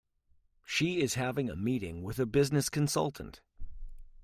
She is having a meeting with a business consultant.